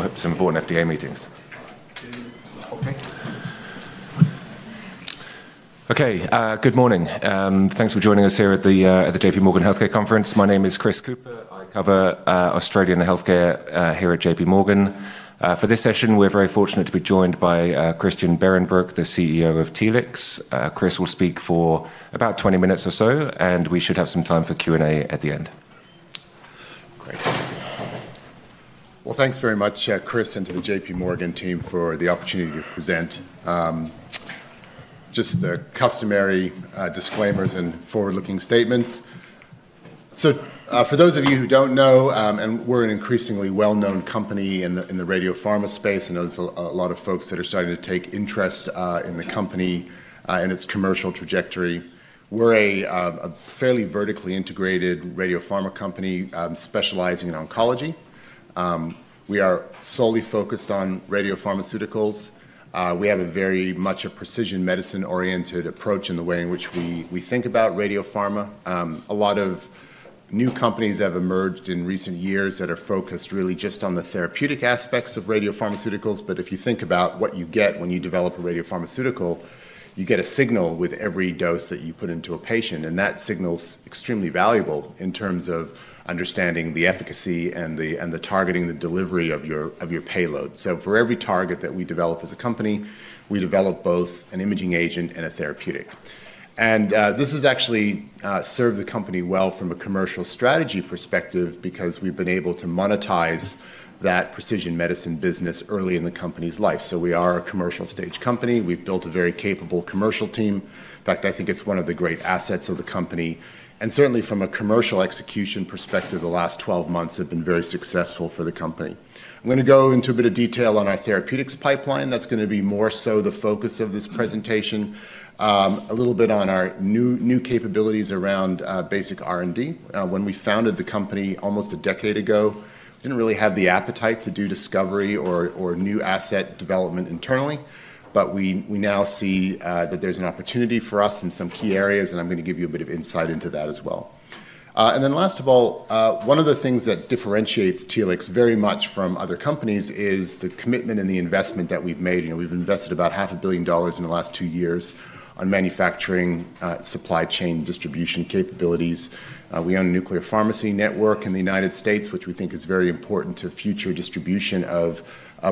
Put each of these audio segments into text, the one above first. We'll have some important FDA meetings. Okay. Okay, good morning. Thanks for joining us here at the J.P. Morgan Healthcare Conference. My name is Chris Cooper. I cover Australian healthcare here at J.P. Morgan. For this session, we're very fortunate to be joined by Christian Behrenbruch, the CEO of Telix. Christian will speak for about 20 minutes or so, and we should have some time for Q&A at the end. Great. Well, thanks very much, Chris, and to the J.P. Morgan team for the opportunity to present just the customary disclaimers and forward-looking statements. So, for those of you who don't know, we're an increasingly well-known company in the radiopharma space, and there's a lot of folks that are starting to take interest in the company and its commercial trajectory. We're a fairly vertically integrated radiopharma company specializing in oncology. We are solely focused on radiopharmaceuticals. We have a very much precision medicine-oriented approach in the way in which we think about radiopharma. A lot of new companies have emerged in recent years that are focused really just on the therapeutic aspects of radiopharmaceuticals. But if you think about what you get when you develop a radiopharmaceutical, you get a signal with every dose that you put into a patient, and that signal's extremely valuable in terms of understanding the efficacy and the targeting, the delivery of your payload. So, for every target that we develop as a company, we develop both an imaging agent and a therapeutic. And this has actually served the company well from a commercial strategy perspective because we've been able to monetize that precision medicine business early in the company's life. So, we are a commercial-stage company. We've built a very capable commercial team. In fact, I think it's one of the great assets of the company. And certainly, from a commercial execution perspective, the last 12 months have been very successful for the company. I'm going to go into a bit of detail on our therapeutics pipeline. That's going to be more so the focus of this presentation. A little bit on our new capabilities around basic R&D. When we founded the company almost a decade ago, we didn't really have the appetite to do discovery or new asset development internally, but we now see that there's an opportunity for us in some key areas, and I'm going to give you a bit of insight into that as well. And then, last of all, one of the things that differentiates Telix very much from other companies is the commitment and the investment that we've made. We've invested about $500 million in the last two years on manufacturing, supply chain, and distribution capabilities. We own a nuclear pharmacy network in the United States, which we think is very important to future distribution of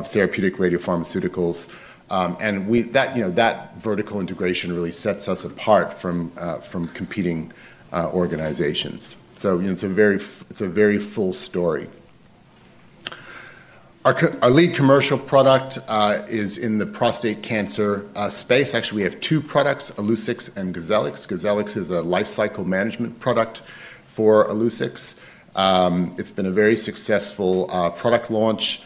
therapeutic radiopharmaceuticals. And that vertical integration really sets us apart from competing organizations. It's a very full story. Our lead commercial product is in the prostate cancer space. Actually, we have two products: Illuccix and Gazelix. Gazelix is a life cycle management product for Illuccix. It's been a very successful product launch.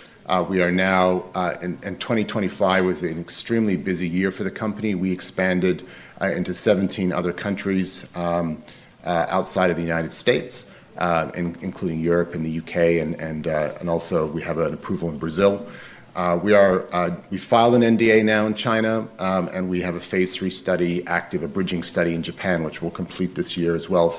We are now in 2025 with an extremely busy year for the company. We expanded into 17 other countries outside of the United States, including Europe and the U.K., and also we have an approval in Brazil. We filed an NDA now in China, and we have a phase three study, active bridging study in Japan, which we'll complete this year as well.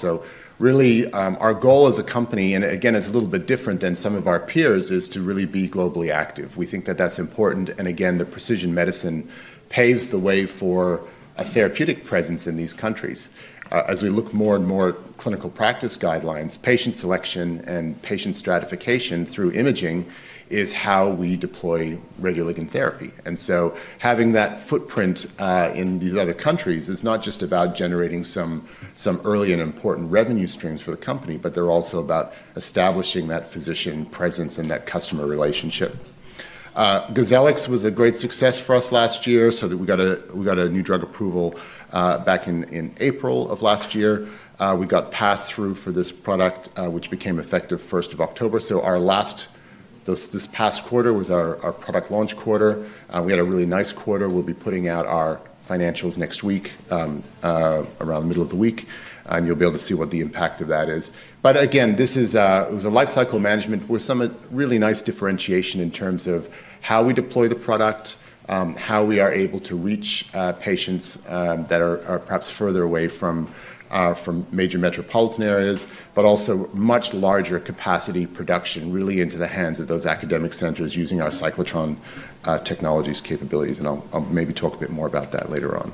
Really, our goal as a company, and again, it's a little bit different than some of our peers, is to really be globally active. We think that that's important. And again, the precision medicine paves the way for a therapeutic presence in these countries. As we look more and more at clinical practice guidelines, patient selection and patient stratification through imaging is how we deploy radioligand therapy. And so, having that footprint in these other countries is not just about generating some early and important revenue streams for the company, but they're also about establishing that physician presence and that customer relationship. Illuccix was a great success for us last year, so that we got a new drug approval back in April of last year. We got pass-through for this product, which became effective 1st of October. So, our last, this past quarter was our product launch quarter. We had a really nice quarter. We'll be putting out our financials next week, around the middle of the week, and you'll be able to see what the impact of that is. But again, this is a life cycle management with some really nice differentiation in terms of how we deploy the product, how we are able to reach patients that are perhaps further away from major metropolitan areas, but also much larger capacity production really into the hands of those academic centers using our cyclotron technology capabilities. And I'll maybe talk a bit more about that later on.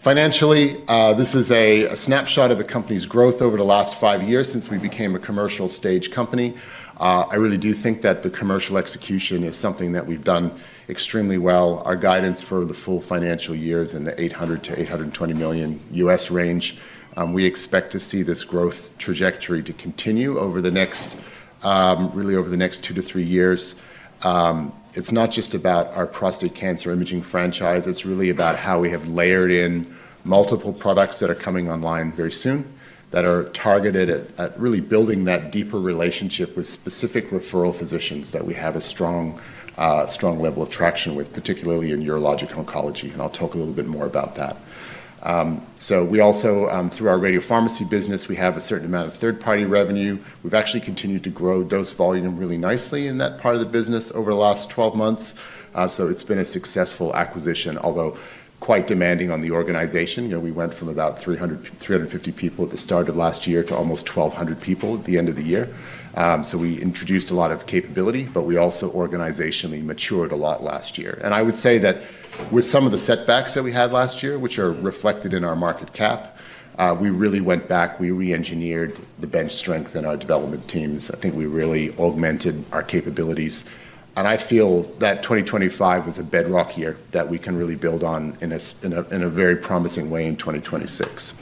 Financially, this is a snapshot of the company's growth over the last five years since we became a commercial-stage company. I really do think that the commercial execution is something that we've done extremely well. Our guidance for the full financial year is in the $800 million-$820 million range. We expect to see this growth trajectory to continue over the next, really over the next two to three years. It's not just about our prostate cancer imaging franchise. It's really about how we have layered in multiple products that are coming online very soon that are targeted at really building that deeper relationship with specific referral physicians that we have a strong level of traction with, particularly in urologic oncology. I'll talk a little bit more about that. We also, through our radiopharmacy business, have a certain amount of third-party revenue. We've actually continued to grow dose volume really nicely in that part of the business over the last 12 months. It's been a successful acquisition, although quite demanding on the organization. We went from about 350 people at the start of last year to almost 1,200 people at the end of the year. We introduced a lot of capability, but we also organizationally matured a lot last year. I would say that with some of the setbacks that we had last year, which are reflected in our market cap, we really went back, we re-engineered the bench strength in our development teams. I think we really augmented our capabilities. I feel that 2025 was a bedrock year that we can really build on in a very promising way in 2026.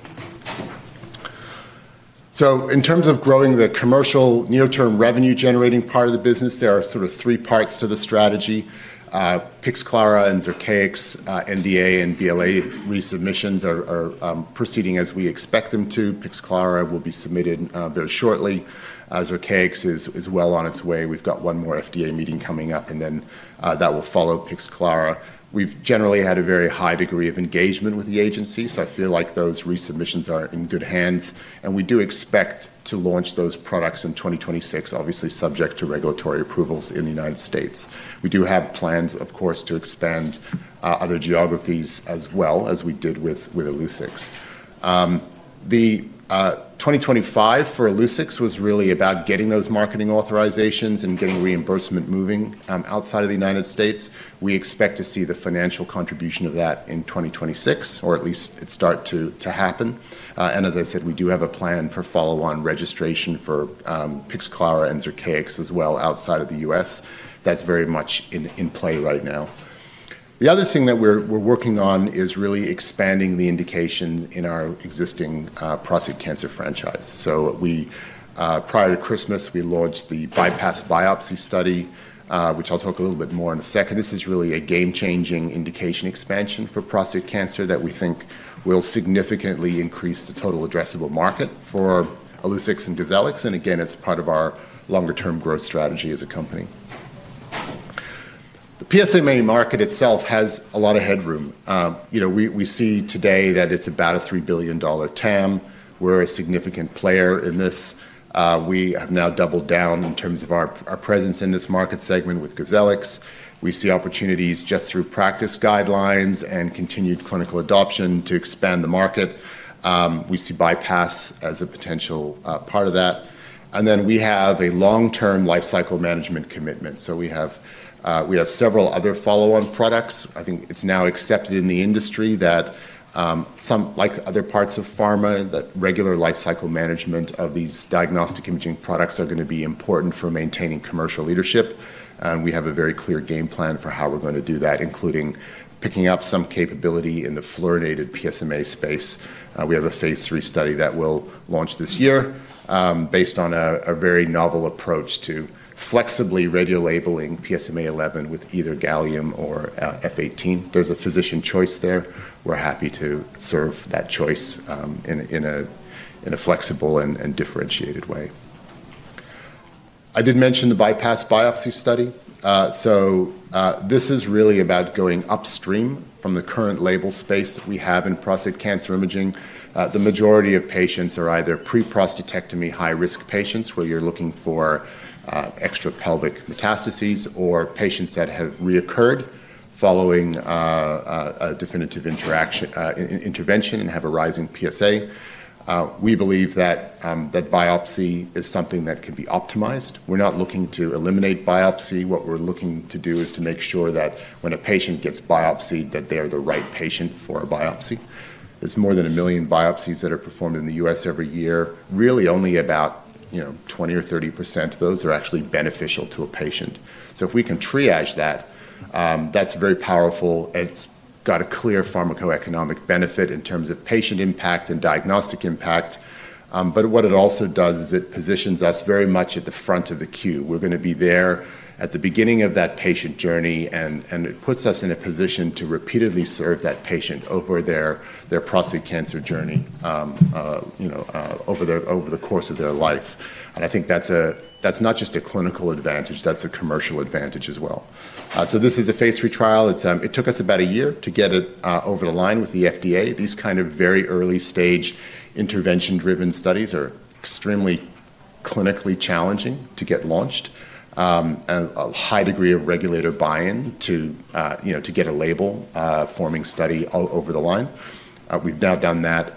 In terms of growing the commercial near-term revenue-generating part of the business, there are sort of three parts to the strategy. Pixclara and Zircaix, NDA and BLA resubmissions are proceeding as we expect them to. Pixclara will be submitted very shortly. Zircaix is well on its way. We've got one more FDA meeting coming up, and then that will follow Pixclara. We've generally had a very high degree of engagement with the agency, so I feel like those resubmissions are in good hands. And we do expect to launch those products in 2026, obviously subject to regulatory approvals in the United States. We do have plans, of course, to expand other geographies as well as we did with Illuccix. The 2025 for Illuccix was really about getting those marketing authorizations and getting reimbursement moving outside of the United States. We expect to see the financial contribution of that in 2026, or at least it start to happen. And as I said, we do have a plan for follow-on registration for Pixclara and Zircaix as well outside of the U.S. That's very much in play right now. The other thing that we're working on is really expanding the indications in our existing prostate cancer franchise. So, prior to Christmas, we launched the bypass biopsy study, which I'll talk a little bit more in a second. This is really a game-changing indication expansion for prostate cancer that we think will significantly increase the total addressable market for Illuccix and Gazelix. And again, it's part of our longer-term growth strategy as a company. The PSMA market itself has a lot of headroom. We see today that it's about a $3 billion TAM. We're a significant player in this. We have now doubled down in terms of our presence in this market segment with Gazelix. We see opportunities just through practice guidelines and continued clinical adoption to expand the market. We see bypass as a potential part of that. And then we have a long-term life cycle management commitment. So, we have several other follow-on products. I think it's now accepted in the industry that, like other parts of pharma, that regular life cycle management of these diagnostic imaging products are going to be important for maintaining commercial leadership. And we have a very clear game plan for how we're going to do that, including picking up some capability in the fluorinated PSMA space. We have a phase 3 study that will launch this year based on a very novel approach to flexibly radiolabeling PSMA-11 with either gallium or F18. There's a physician choice there. We're happy to serve that choice in a flexible and differentiated way. I did mention the bypass biopsy study. So, this is really about going upstream from the current label space that we have in prostate cancer imaging. The majority of patients are either pre-prostatectomy high-risk patients, where you're looking for extrapelvic metastases, or patients that have reoccurred following a definitive intervention and have a rising PSA. We believe that biopsy is something that can be optimized. We're not looking to eliminate biopsy. What we're looking to do is to make sure that when a patient gets biopsied, that they are the right patient for a biopsy. There's more than a million biopsies that are performed in the U.S. every year. Really, only about 20% or 30% of those are actually beneficial to a patient. So, if we can triage that, that's very powerful. It's got a clear pharmacoeconomic benefit in terms of patient impact and diagnostic impact. But what it also does is it positions us very much at the front of the queue. We're going to be there at the beginning of that patient journey, and it puts us in a position to repeatedly serve that patient over their prostate cancer journey over the course of their life. And I think that's not just a clinical advantage. That's a commercial advantage as well. So, this is a phase 3 trial. It took us about a year to get it over the line with the FDA. These kind of very early-stage intervention-driven studies are extremely clinically challenging to get launched and a high degree of regulator buy-in to get a label-forming study over the line. We've now done that.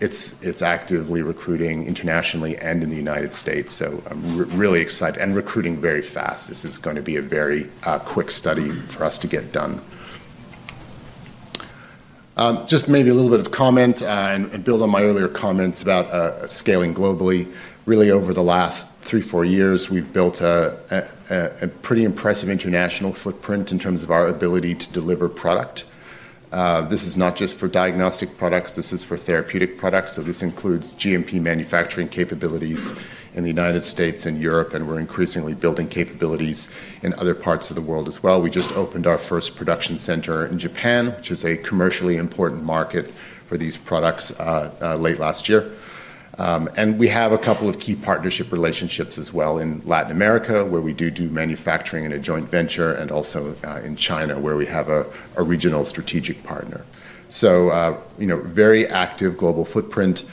It's actively recruiting internationally and in the United States. So, I'm really excited and recruiting very fast. This is going to be a very quick study for us to get done. Just maybe a little bit of comment and build on my earlier comments about scaling globally. Really, over the last three, four years, we've built a pretty impressive international footprint in terms of our ability to deliver product. This is not just for diagnostic products. This is for therapeutic products. So, this includes GMP manufacturing capabilities in the United States and Europe, and we're increasingly building capabilities in other parts of the world as well. We just opened our first production center in Japan, which is a commercially important market for these products late last year, and we have a couple of key partnership relationships as well in Latin America, where we do manufacturing in a joint venture, and also in China, where we have a regional strategic partner, so very active global footprint.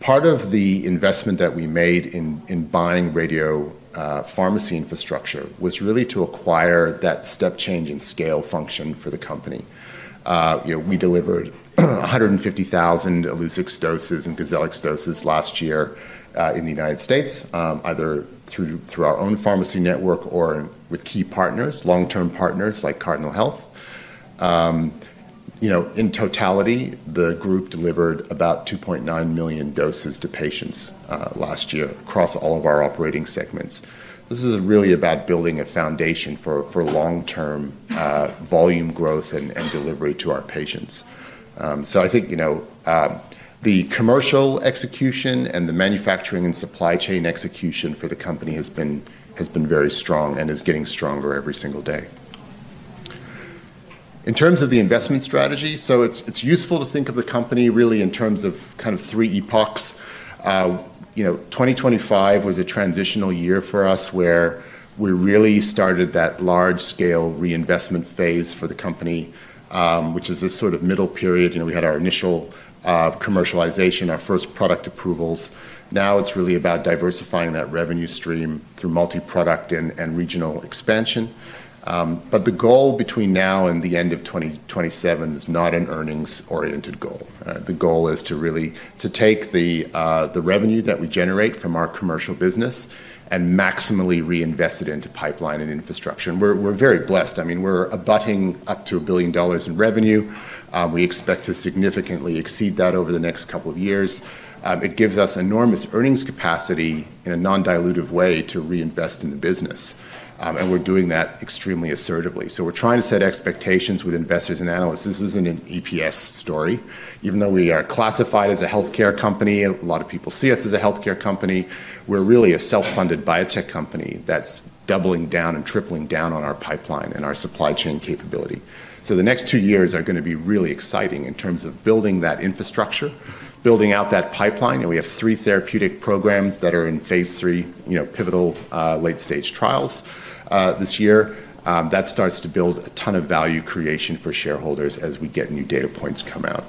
Part of the investment that we made in buying radiopharmacy infrastructure was really to acquire that step change and scale function for the company. We delivered 150,000 Illuccix doses and Gazelix doses last year in the United States, either through our own pharmacy network or with key partners, long-term partners like Cardinal Health. In totality, the group delivered about 2.9 million doses to patients last year across all of our operating segments. This is really about building a foundation for long-term volume growth and delivery to our patients. So, I think the commercial execution and the manufacturing and supply chain execution for the company has been very strong and is getting stronger every single day. In terms of the investment strategy, so it's useful to think of the company really in terms of kind of three epochs. 2025 was a transitional year for us where we really started that large-scale reinvestment phase for the company, which is this sort of middle period. We had our initial commercialization, our first product approvals. Now it's really about diversifying that revenue stream through multi-product and regional expansion. But the goal between now and the end of 2027 is not an earnings-oriented goal. The goal is to really take the revenue that we generate from our commercial business and maximally reinvest it into pipeline and infrastructure. And we're very blessed. I mean, we're abutting up to $1 billion in revenue. We expect to significantly exceed that over the next couple of years. It gives us enormous earnings capacity in a non-dilutive way to reinvest in the business. And we're doing that extremely assertively. So, we're trying to set expectations with investors and analysts. This isn't an EPS story. Even though we are classified as a healthcare company, a lot of people see us as a healthcare company, we're really a self-funded biotech company that's doubling down and tripling down on our pipeline and our supply chain capability, so the next two years are going to be really exciting in terms of building that infrastructure, building out that pipeline, and we have three therapeutic programs that are in phase three, pivotal late-stage trials this year. That starts to build a ton of value creation for shareholders as we get new data points come out.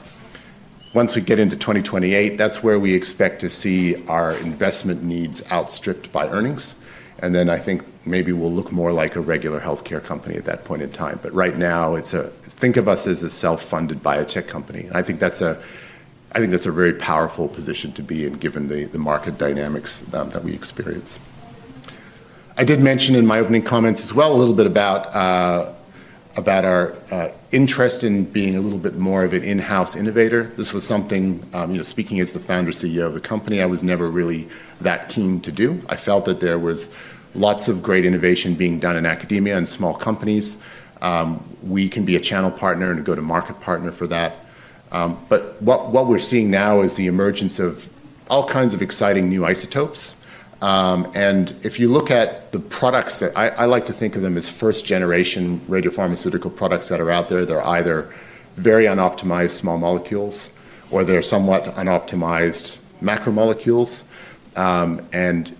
Once we get into 2028, that's where we expect to see our investment needs outstripped by earnings, and then I think maybe we'll look more like a regular healthcare company at that point in time, but right now, think of us as a self-funded biotech company. I think that's a very powerful position to be in, given the market dynamics that we experience. I did mention in my opening comments as well a little bit about our interest in being a little bit more of an in-house innovator. This was something, speaking as the founder CEO of the company, I was never really that keen to do. I felt that there was lots of great innovation being done in academia and small companies. We can be a channel partner and a go-to-market partner for that. But what we're seeing now is the emergence of all kinds of exciting new isotopes, and if you look at the products, I like to think of them as first-generation radiopharmaceutical products that are out there. They're either very unoptimized small molecules or they're somewhat unoptimized macromolecules.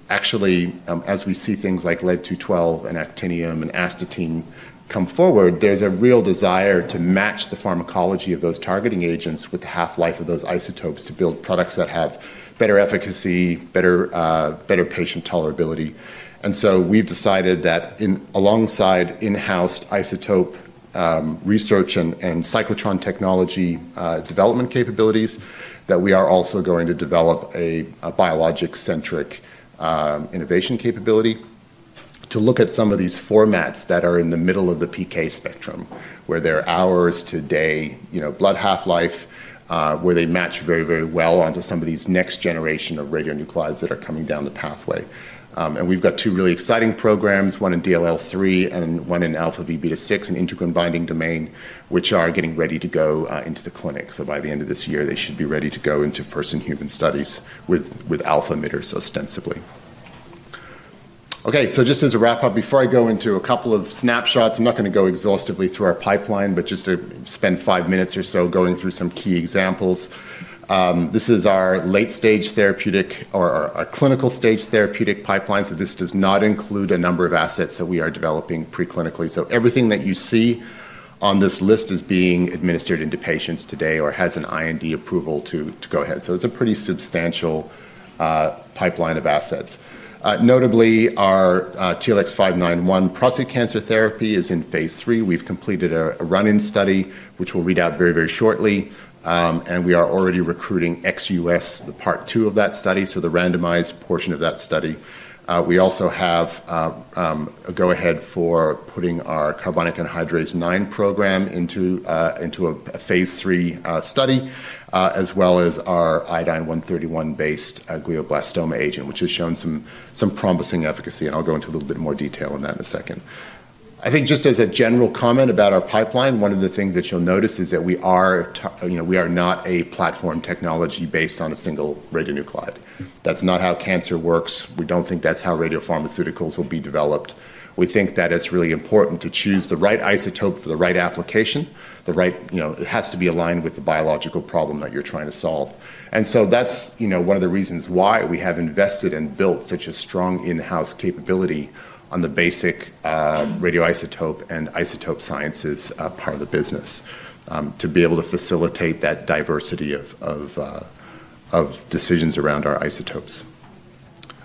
Actually, as we see things like lead-212 and actinium and astatine come forward, there's a real desire to match the pharmacology of those targeting agents with the half-life of those isotopes to build products that have better efficacy, better patient tolerability. So, we've decided that alongside in-house isotope research and cyclotron technology development capabilities, that we are also going to develop a biologic-centric innovation capability to look at some of these formats that are in the middle of the PK spectrum, where they're hours to day, blood half-life, where they match very, very well onto some of these next generation of radionuclides that are coming down the pathway. We've got two really exciting programs, one in DLL3 and one in alpha v beta 6, an integrin-binding domain, which are getting ready to go into the clinic. So, by the end of this year, they should be ready to go into first-in-human studies with alpha emitters ostensibly. Okay. So, just as a wrap-up, before I go into a couple of snapshots, I'm not going to go exhaustively through our pipeline, but just to spend five minutes or so going through some key examples. This is our late-stage therapeutic or our clinical-stage therapeutic pipeline. So, this does not include a number of assets that we are developing preclinically. So, everything that you see on this list is being administered into patients today or has an IND approval to go ahead. So, it's a pretty substantial pipeline of assets. Notably, our TLX-591 prostate cancer therapy is in phase three. We've completed a running study, which we'll read out very, very shortly. are already recruiting in the U.S., the part two of that study, so the randomized portion of that study. We also have a go-ahead for putting our carbonic anhydrase IX program into a phase three study, as well as our iodine-131-based glioblastoma agent, which has shown some promising efficacy. I'll go into a little bit more detail on that in a second. I think just as a general comment about our pipeline, one of the things that you'll notice is that we are not a platform technology based on a single radionuclide. That's not how cancer works. We don't think that's how radiopharmaceuticals will be developed. We think that it's really important to choose the right isotope for the right application. It has to be aligned with the biological problem that you're trying to solve. And so, that's one of the reasons why we have invested and built such a strong in-house capability on the basic radioisotope and isotope sciences part of the business to be able to facilitate that diversity of decisions around our isotopes.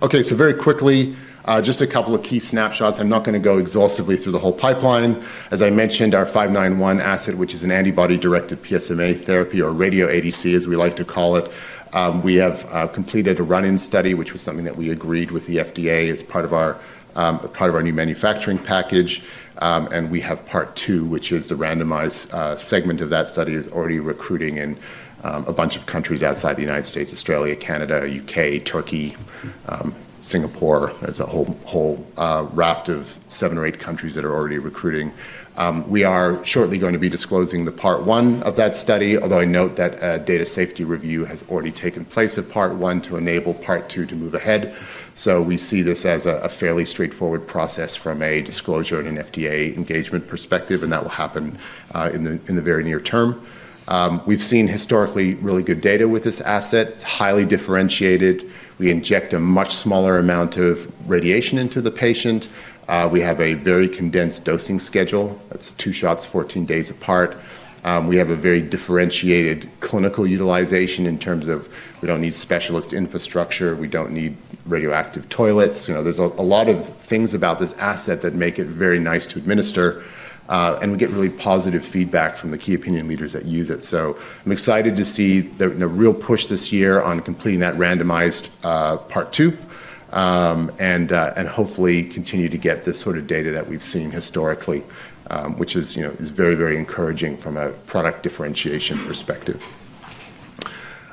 Okay. So, very quickly, just a couple of key snapshots. I'm not going to go exhaustively through the whole pipeline. As I mentioned, our 591 asset, which is an antibody-directed PSMA therapy or radio ADC, as we like to call it, we have completed a running study, which was something that we agreed with the FDA as part of our new manufacturing package. And we have part two, which is the randomized segment of that study is already recruiting in a bunch of countries outside the United States: Australia, Canada, U.K., Turkey, Singapore. There's a whole raft of seven or eight countries that are already recruiting. We are shortly going to be disclosing the part one of that study, although I note that a data safety review has already taken place of part one to enable part two to move ahead. So, we see this as a fairly straightforward process from a disclosure and an FDA engagement perspective, and that will happen in the very near term. We've seen historically really good data with this asset. It's highly differentiated. We inject a much smaller amount of radiation into the patient. We have a very condensed dosing schedule. That's two shots 14 days apart. We have a very differentiated clinical utilization in terms of we don't need specialist infrastructure. We don't need radioactive toilets. There's a lot of things about this asset that make it very nice to administer, and we get really positive feedback from the key opinion leaders that use it. I'm excited to see a real push this year on completing that randomized part two and hopefully continue to get this sort of data that we've seen historically, which is very, very encouraging from a product differentiation perspective.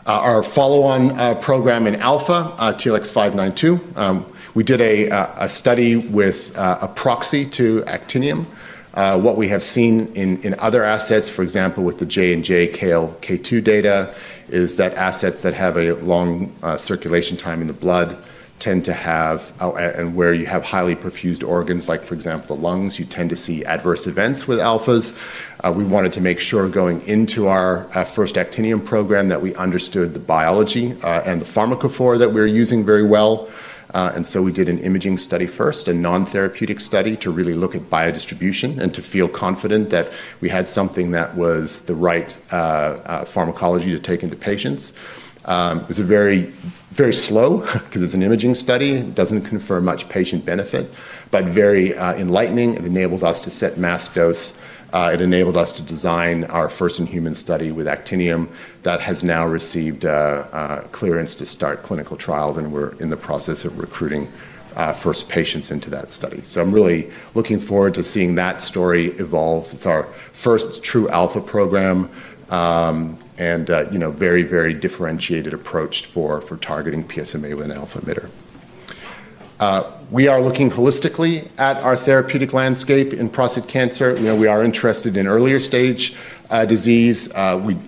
Our follow-on program in alpha, TLX-592, we did a study with a proxy to actinium. What we have seen in other assets, for example, with the J&J KLK2 data, is that assets that have a long circulation time in the blood tend to have, and where you have highly perfused organs, like for example, the lungs, you tend to see adverse events with alphas. We wanted to make sure going into our first actinium program that we understood the biology and the pharmacophore that we're using very well. We did an imaging study first, a non-therapeutic study to really look at biodistribution and to feel confident that we had something that was the right pharmacology to take into patients. It was very slow because it's an imaging study. It doesn't confer much patient benefit, but very enlightening. It enabled us to set mass dose. It enabled us to design our first-in-human study with actinium that has now received clearance to start clinical trials, and we're in the process of recruiting first patients into that study. I'm really looking forward to seeing that story evolve. It's our first true alpha program and very, very differentiated approach for targeting PSMA with an alpha emitter. We are looking holistically at our therapeutic landscape in prostate cancer. We are interested in earlier stage disease.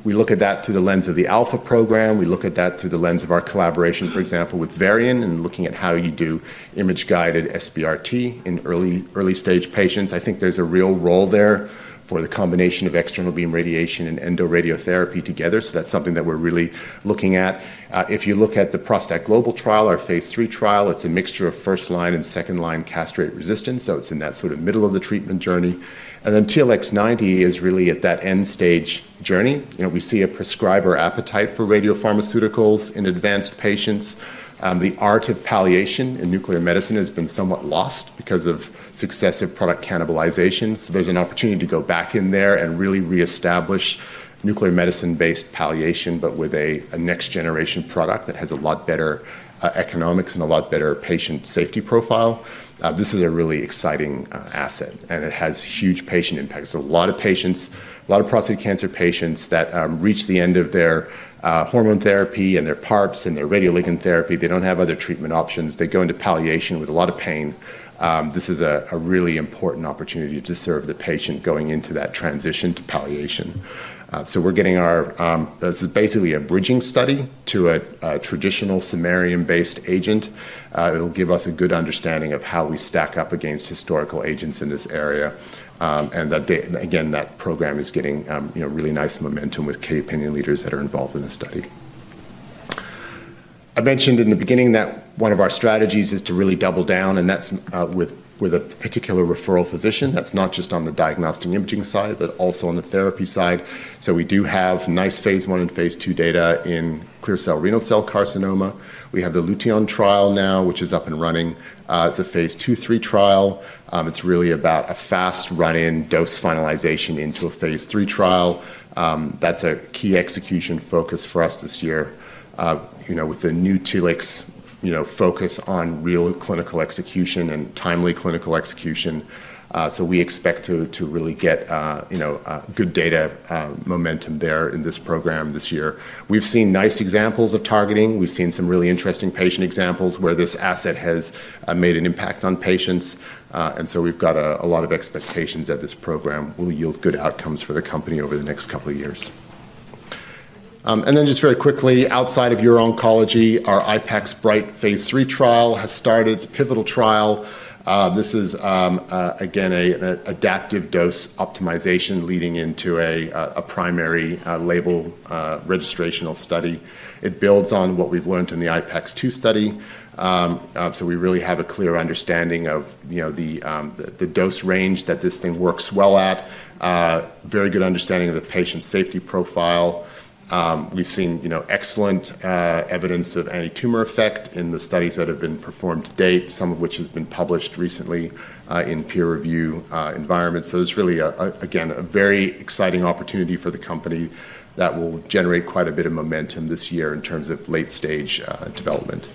We look at that through the lens of the alpha program. We look at that through the lens of our collaboration, for example, with Varian and looking at how you do image-guided SBRT in early-stage patients. I think there's a real role there for the combination of external beam radiation and internal radiotherapy together, so that's something that we're really looking at. If you look at the ProstACT Global Trial, our phase 3 trial, it's a mixture of first-line and second-line castrate resistance, so it's in that sort of middle of the treatment journey, and then TLX-90 is really at that end-stage journey. We see a prescriber appetite for radiopharmaceuticals in advanced patients. The art of palliation in nuclear medicine has been somewhat lost because of successive product cannibalizations. There's an opportunity to go back in there and really reestablish nuclear medicine-based palliation, but with a next-generation product that has a lot better economics and a lot better patient safety profile. This is a really exciting asset, and it has huge patient impacts. A lot of patients, a lot of prostate cancer patients that reach the end of their hormone therapy and their PARPs and their radioligand therapy, they don't have other treatment options. They go into palliation with a lot of pain. This is a really important opportunity to serve the patient going into that transition to palliation. So, we're getting our—this is basically a bridging study to a traditional samarium-based agent. It'll give us a good understanding of how we stack up against historical agents in this area. And again, that program is getting really nice momentum with key opinion leaders that are involved in the study. I mentioned in the beginning that one of our strategies is to really double down, and that's with a particular referral physician. That's not just on the diagnostic imaging side, but also on the therapy side. So, we do have nice phase one and phase two data in clear cell renal cell carcinoma. We have the Lutyon trial now, which is up and running. It's a phase two-three trial. It's really about a fast run-in dose finalization into a phase three trial. That's a key execution focus for us this year with the new TLX focus on real clinical execution and timely clinical execution. So, we expect to really get good data momentum there in this program this year. We've seen nice examples of targeting. We've seen some really interesting patient examples where this asset has made an impact on patients. And so, we've got a lot of expectations that this program will yield good outcomes for the company over the next couple of years. And then just very quickly, outside of uroncology, our IPAX Bright phase 3 trial has started. It's a pivotal trial. This is, again, an adaptive dose optimization leading into a primary label registrational study. It builds on what we've learned in the IPEX two study. So, we really have a clear understanding of the dose range that this thing works well at, very good understanding of the patient safety profile. We've seen excellent evidence of antitumor effect in the studies that have been performed to date, some of which has been published recently in peer-reviewed environments. So, it's really, again, a very exciting opportunity for the company that will generate quite a bit of momentum this year in terms of late-stage development.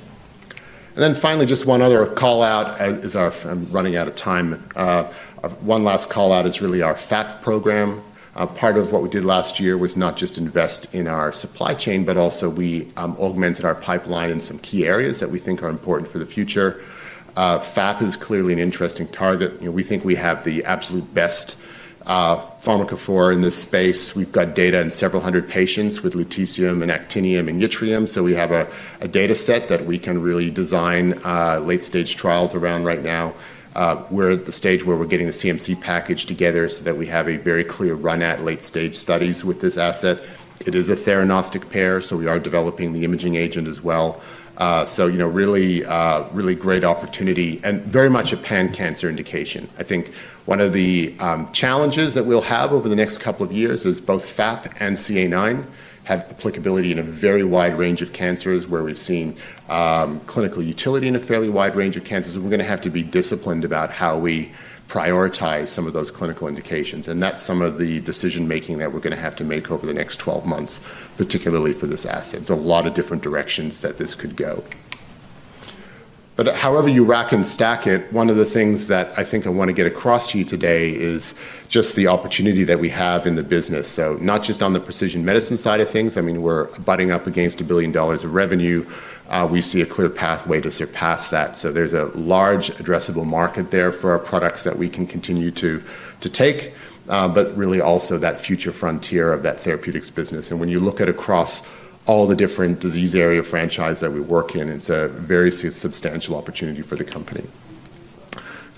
And then finally, just one other call-out as I'm running out of time. One last call-out is really our FAP program. Part of what we did last year was not just invest in our supply chain, but also we augmented our pipeline in some key areas that we think are important for the future. FAP is clearly an interesting target. We think we have the absolute best pharmacophore in this space. We've got data in several hundred patients with lutetium and actinium and yttrium. So, we have a data set that we can really design late-stage trials around right now. We're at the stage where we're getting the CMC package together so that we have a very clear run at late-stage studies with this asset. It is a theranostic pair, so we are developing the imaging agent as well. So, really great opportunity and very much a pan-cancer indication. I think one of the challenges that we'll have over the next couple of years is both FAP and CA-9 have applicability in a very wide range of cancers where we've seen clinical utility in a fairly wide range of cancers. We're going to have to be disciplined about how we prioritize some of those clinical indications, and that's some of the decision-making that we're going to have to make over the next 12 months, particularly for this asset. There's a lot of different directions that this could go, but however you rack and stack it, one of the things that I think I want to get across to you today is just the opportunity that we have in the business. So, not just on the precision medicine side of things. I mean, we're butting up against $1 billion of revenue. We see a clear pathway to surpass that. There's a large addressable market there for our products that we can continue to take, but really also that future frontier of that therapeutics business. When you look at across all the different disease area franchise that we work in, it's a very substantial opportunity for the company.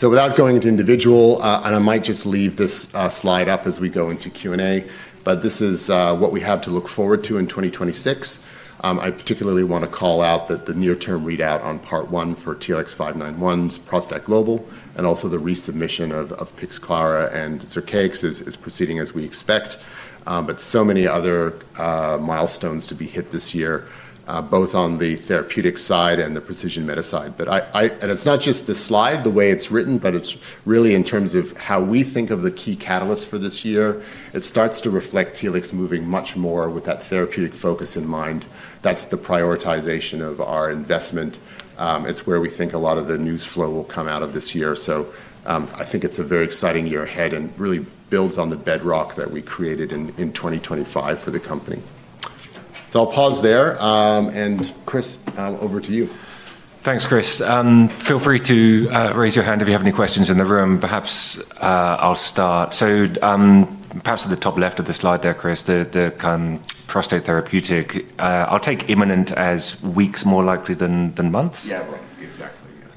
Without going into individual, and I might just leave this slide up as we go into Q&A, but this is what we have to look forward to in 2026. I particularly want to call out that the near-term readout on part one for TLX-591's Prostate Global and also the resubmission of Pixclara and Zircaix is proceeding as we expect, but so many other milestones to be hit this year, both on the therapeutic side and the precision medicine. And it's not just the slide, the way it's written, but it's really in terms of how we think of the key catalysts for this year. It starts to reflect TLX moving much more with that therapeutic focus in mind. That's the prioritization of our investment. It's where we think a lot of the news flow will come out of this year. So, I think it's a very exciting year ahead and really builds on the bedrock that we created in 2025 for the company. So, I'll pause there. And Chris, over to you. Thanks, Chris. Feel free to raise your hand if you have any questions in the room. Perhaps I'll start. So, perhaps at the top left of the slide there, Chris, the prostate therapeutic, I'll take imminent as weeks more likely than months.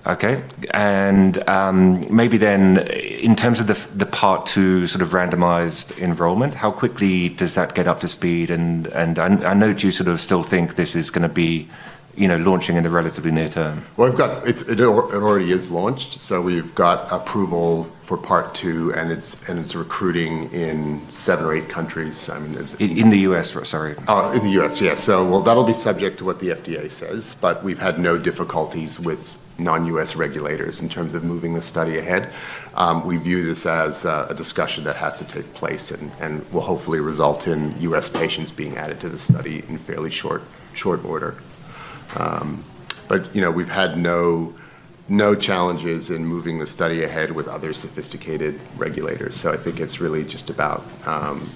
Yeah, exactly. Okay. And maybe then in terms of the part two sort of randomized enrollment, how quickly does that get up to speed? And I know you sort of still think this is going to be launching in the relatively near term. It already is launched. We've got approval for part two, and it's recruiting in seven or eight countries. I mean. In the U.S., sorry. In the U.S., yes. So, well, that'll be subject to what the FDA says, but we've had no difficulties with non-U.S. regulators in terms of moving the study ahead. We view this as a discussion that has to take place and will hopefully result in U.S. patients being added to the study in fairly short order. But we've had no challenges in moving the study ahead with other sophisticated regulators. So, I think it's really just about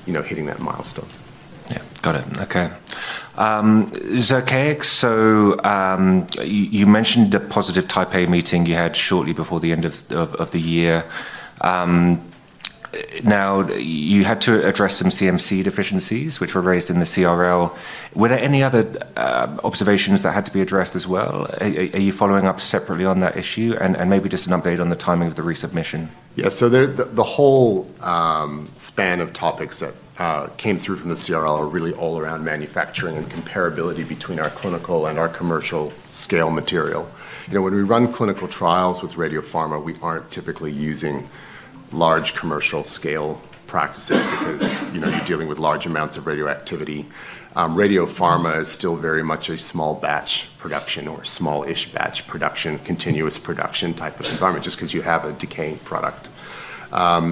hitting that milestone. Yeah. Got it. Okay. Zircaix, so you mentioned a positive Type A meeting you had shortly before the end of the year. Now, you had to address some CMC deficiencies, which were raised in the CRL. Were there any other observations that had to be addressed as well? Are you following up separately on that issue? And maybe just an update on the timing of the resubmission. Yeah. So, the whole span of topics that came through from the CRL are really all around manufacturing and comparability between our clinical and our commercial scale material. When we run clinical trials with radiopharma, we aren't typically using large commercial scale practices because you're dealing with large amounts of radioactivity. Radiopharma is still very much a small batch production or smallish batch production, continuous production type of environment just because you have a decaying product.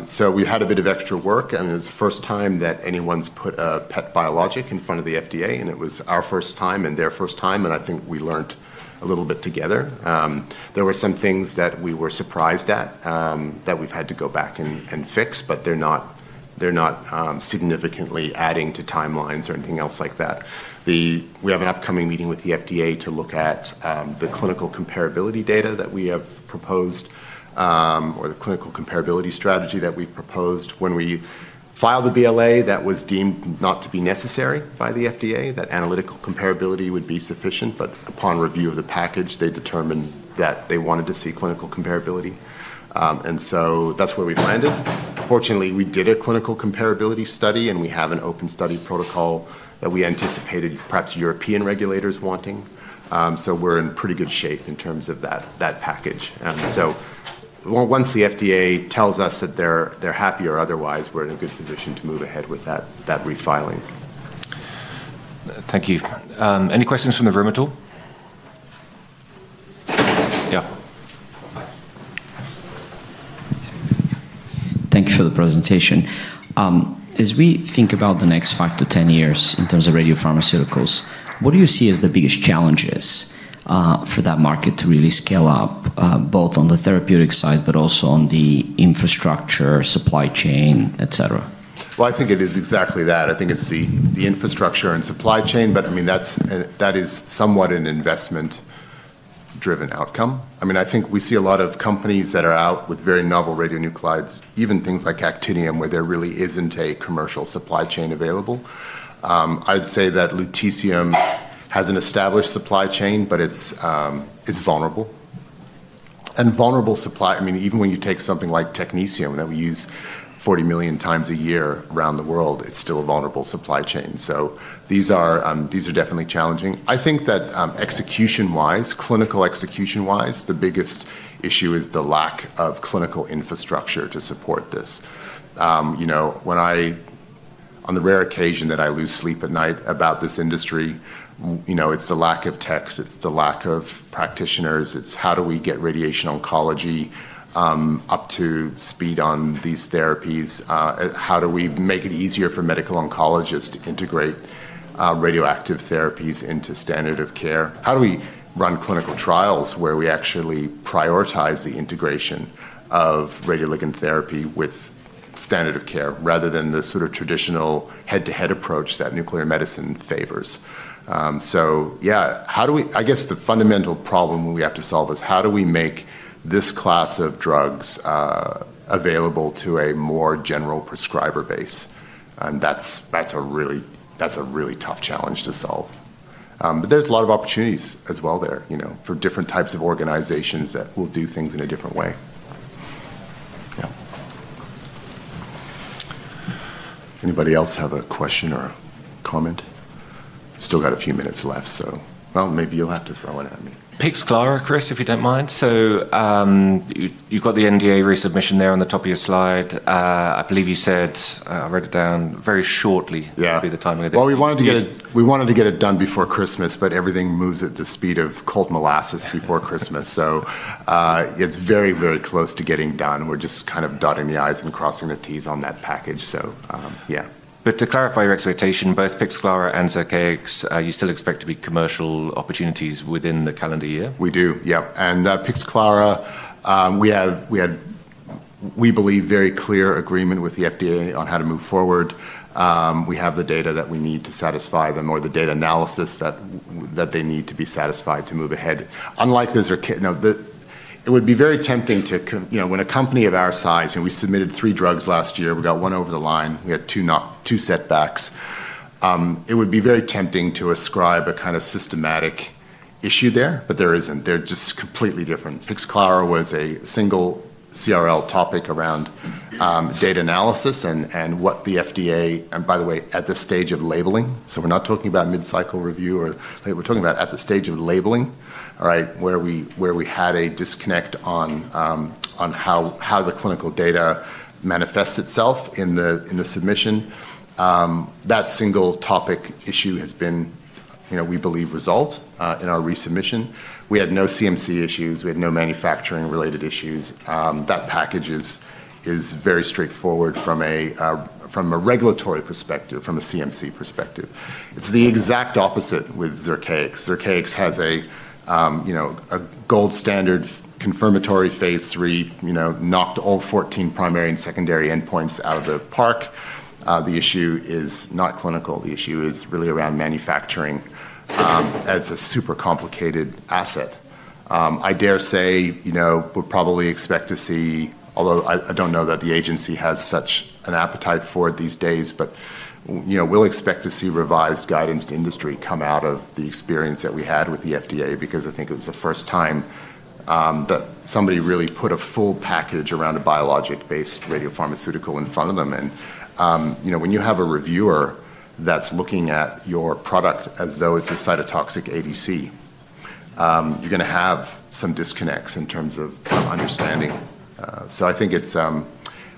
So, we had a bit of extra work, and it's the first time that anyone's put a PET biologic in front of the FDA, and it was our first time and their first time. And I think we learned a little bit together. There were some things that we were surprised at that we've had to go back and fix, but they're not significantly adding to timelines or anything else like that. We have an upcoming meeting with the FDA to look at the clinical comparability data that we have proposed or the clinical comparability strategy that we've proposed. When we filed the BLA, that was deemed not to be necessary by the FDA, that analytical comparability would be sufficient. But upon review of the package, they determined that they wanted to see clinical comparability. And so, that's where we've landed. Fortunately, we did a clinical comparability study, and we have an open study protocol that we anticipated perhaps European regulators wanting. So, we're in pretty good shape in terms of that package. And so, once the FDA tells us that they're happy or otherwise, we're in a good position to move ahead with that refiling. Thank you. Any questions from the room at all? Yeah. Thank you for the presentation. As we think about the next five to 10 years in terms of radiopharmaceuticals, what do you see as the biggest challenges for that market to really scale up both on the therapeutic side but also on the infrastructure, supply chain, etc.? I think it is exactly that. I think it's the infrastructure and supply chain, but I mean, that is somewhat an investment-driven outcome. I mean, I think we see a lot of companies that are out with very novel radionuclides, even things like actinium, where there really isn't a commercial supply chain available. I'd say that lutetium has an established supply chain, but it's vulnerable. And vulnerable supply, I mean, even when you take something like technetium that we use 40 million times a year around the world, it's still a vulnerable supply chain. So, these are definitely challenging. I think that execution-wise, clinical execution-wise, the biggest issue is the lack of clinical infrastructure to support this. On the rare occasion that I lose sleep at night about this industry, it's the lack of techs. It's the lack of practitioners. It's how do we get radiation oncology up to speed on these therapies? How do we make it easier for medical oncologists to integrate radioactive therapies into standard of care? How do we run clinical trials where we actually prioritize the integration of radioligand therapy with standard of care rather than the sort of traditional head-to-head approach that nuclear medicine favors? So, yeah, I guess the fundamental problem we have to solve is how do we make this class of drugs available to a more general prescriber base? And that's a really tough challenge to solve. But there's a lot of opportunities as well there for different types of organizations that will do things in a different way. Yeah. Anybody else have a question or comment? We still got a few minutes left, so. Well, maybe you'll have to throw one at me. Pixclara, Chris, if you don't mind. So, you've got the NDA resubmission there on the top of your slide. I believe you said. I wrote it down. Very shortly would be the timing of this meeting. Yeah. Well, we wanted to get it done before Christmas, but everything moves at the speed of cold molasses before Christmas. So, it's very, very close to getting done. We're just kind of dotting the i's and crossing the t's on that package. So, yeah. But to clarify your expectation, both Pixclara and Zircaix, you still expect to be commercial opportunities within the calendar year? We do, yeah. And Pixclara, we believe very clear agreement with the FDA on how to move forward. We have the data that we need to satisfy them or the data analysis that they need to be satisfied to move ahead. Unlike the Zircaix, it would be very tempting to, when a company of our size, we submitted three drugs last year, we got one over the line, we had two setbacks. It would be very tempting to ascribe a kind of systematic issue there, but there isn't. They're just completely different. Pixclara was a single CRL topic around data analysis and what the FDA, and by the way, at the stage of labeling, so we're not talking about mid-cycle review or we're talking about at the stage of labeling, all right, where we had a disconnect on how the clinical data manifests itself in the submission. That single topic issue has been, we believe, resolved in our resubmission. We had no CMC issues. We had no manufacturing-related issues. That package is very straightforward from a regulatory perspective, from a CMC perspective. It's the exact opposite with Zircaix. Zircaix has a gold standard confirmatory phase 3, knocked all 14 primary and secondary endpoints out of the park. The issue is not clinical. The issue is really around manufacturing as a super complicated asset. I dare say we'll probably expect to see, although I don't know that the agency has such an appetite for it these days, but we'll expect to see revised guidance to industry come out of the experience that we had with the FDA because I think it was the first time that somebody really put a full package around a biologic-based radiopharmaceutical in front of them. And when you have a reviewer that's looking at your product as though it's a cytotoxic ADC, you're going to have some disconnects in terms of understanding. So, I think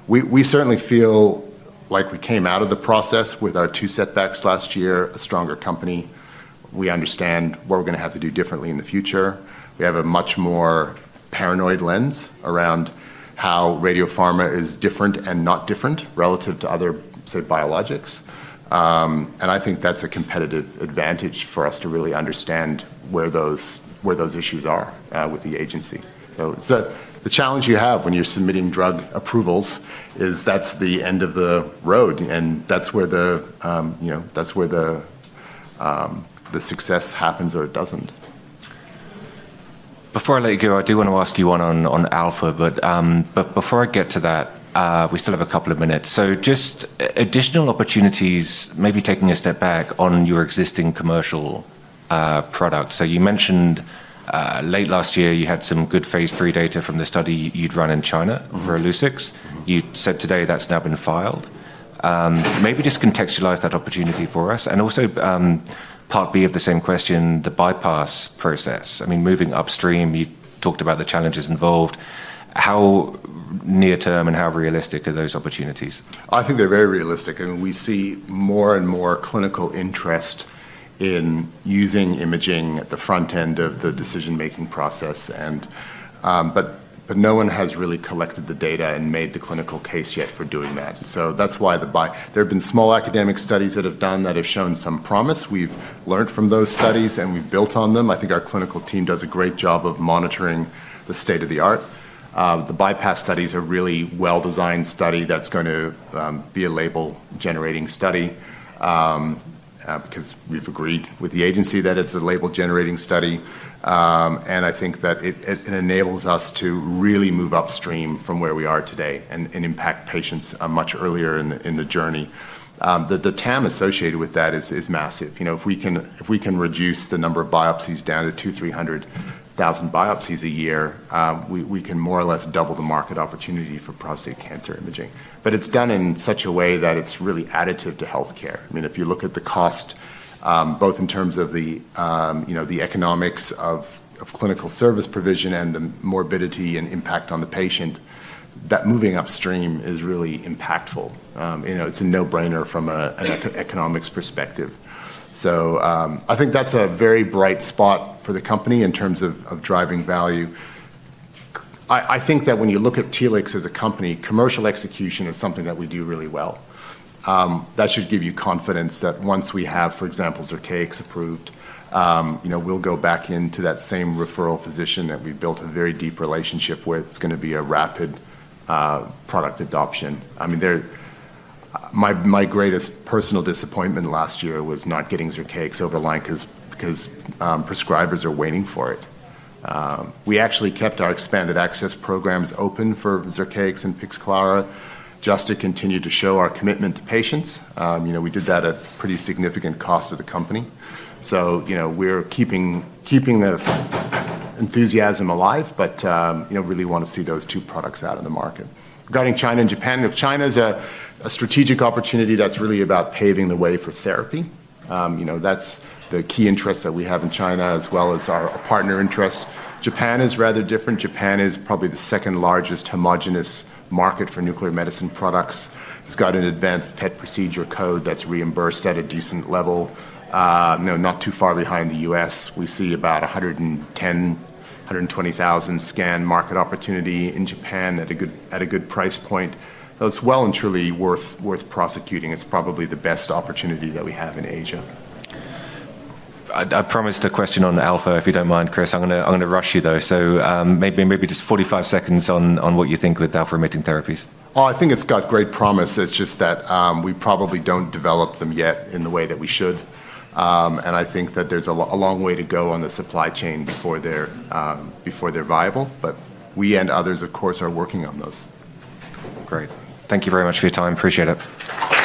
we certainly feel like we came out of the process with our two setbacks last year, a stronger company. We understand what we're going to have to do differently in the future. We have a much more paranoid lens around how radiopharma is different and not different relative to other, say, biologics. And I think that's a competitive advantage for us to really understand where those issues are with the agency. So, the challenge you have when you're submitting drug approvals is that's the end of the road, and that's where the success happens or it doesn't. Before I let you go, I do want to ask you one on Alpha, but before I get to that, we still have a couple of minutes. So, just additional opportunities, maybe taking a step back on your existing commercial products. So, you mentioned late last year you had some good phase three data from the study you'd run in China for Illuccix. You said today that's now been filed. Maybe just contextualize that opportunity for us. And also part B of the same question, the BLA process. I mean, moving upstream, you talked about the challenges involved. How near-term and how realistic are those opportunities? I think they're very realistic. I mean, we see more and more clinical interest in using imaging at the front end of the decision-making process, but no one has really collected the data and made the clinical case yet for doing that, so that's why there have been small academic studies that have done that have shown some promise. We've learned from those studies, and we've built on them. I think our clinical team does a great job of monitoring the state of the art. The bypass studies are really well-designed study that's going to be a label-generating study because we've agreed with the agency that it's a label-generating study, and I think that it enables us to really move upstream from where we are today and impact patients much earlier in the journey. The TAM associated with that is massive. If we can reduce the number of biopsies down to 200,000-300,000 biopsies a year, we can more or less double the market opportunity for prostate cancer imaging. But it's done in such a way that it's really additive to healthcare. I mean, if you look at the cost, both in terms of the economics of clinical service provision and the morbidity and impact on the patient, that moving upstream is really impactful. It's a no-brainer from an economics perspective. So, I think that's a very bright spot for the company in terms of driving value. I think that when you look at Telix as a company, commercial execution is something that we do really well. That should give you confidence that once we have, for example, Zircaix approved, we'll go back into that same referral physician that we've built a very deep relationship with. It's going to be a rapid product adoption. I mean, my greatest personal disappointment last year was not getting Zircaix over the line because prescribers are waiting for it. We actually kept our expanded access programs open for Zircaix and Pixclara just to continue to show our commitment to patients. We did that at pretty significant cost to the company. So, we're keeping the enthusiasm alive, but really want to see those two products out in the market. Regarding China and Japan, China is a strategic opportunity that's really about paving the way for therapy. That's the key interest that we have in China as well as our partner interest. Japan is rather different. Japan is probably the second largest homogeneous market for nuclear medicine products. It's got an advanced PET procedure code that's reimbursed at a decent level, not too far behind the U.S. We see about 110,000-120,000 scan market opportunity in Japan at a good price point. That's well and truly worth prosecuting. It's probably the best opportunity that we have in Asia. I promised a question on Alpha, if you don't mind, Chris. I'm going to rush you though. So, maybe just 45 seconds on what you think with Alpha-emitting therapies. Oh, I think it's got great promise. It's just that we probably don't develop them yet in the way that we should. And I think that there's a long way to go on the supply chain before they're viable. But we and others, of course, are working on those. Great. Thank you very much for your time. Appreciate it.